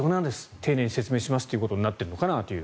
丁寧に説明しますということになっているのかなと。